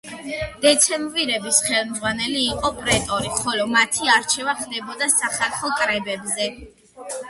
დეცემვირების ხელმძღვანელი იყო პრეტორი, ხოლო მათი არჩევა ხდებოდა სახალხო კრებებზე.